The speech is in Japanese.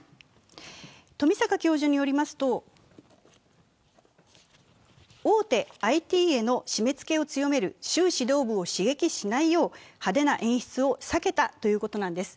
富坂教授によりますと、大手ＩＴへの締め付けを強める習指導部を刺激しないよう派手な演出を避けたということなんです。